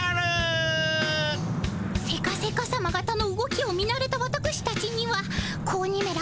セカセカさまがたの動きを見なれたわたくしたちには子鬼めら